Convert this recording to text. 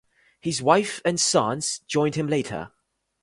His wife and sons joined him later.